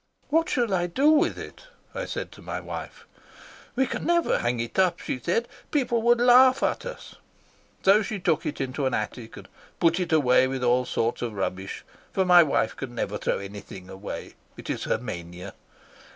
'What shall we do with it?' I said to my wife. 'We can never hang it up,' she said. 'People would laugh at us.' So she took it into an attic and put it away with all sorts of rubbish, for my wife can never throw anything away. It is her mania.